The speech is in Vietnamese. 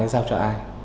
sẽ giao cho ai